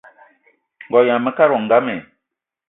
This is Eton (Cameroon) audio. Ngo yama mekad wo ngam i?